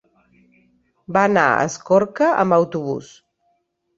Va anar a Escorca amb autobús.